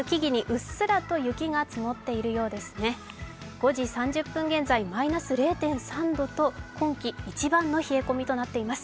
５時３０分現在、マイナス０．３度と今季一番の冷え込みとなっています。